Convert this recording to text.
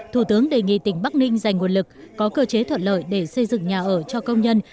thủ tướng đề nghị tỉnh bắc ninh dành nguồn lực có cơ chế thuận lợi để xây dựng nhà ở cho công nhân